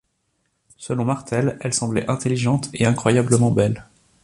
Selon Martel, elle semblait intelligente et incroyablement belle.